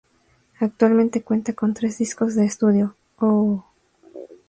Actualmente cuentan con tres discos de estudio; "Oh!